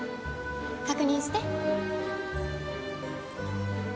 確認して。